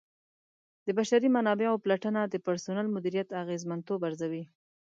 د بشري منابعو پلټنه د پرسونل مدیریت اغیزمنتوب ارزوي.